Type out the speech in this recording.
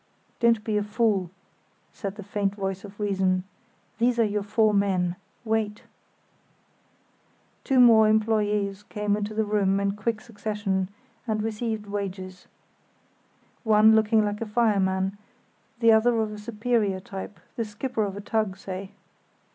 "Don't be a fool," said the faint voice of reason. "There are your four men. Wait." Two more employés came into the room in quick succession and received wages; one looking like a fireman, the other of a superior type, the skipper of a tug, say.